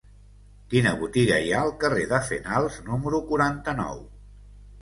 Quina botiga hi ha al carrer de Fenals número quaranta-nou?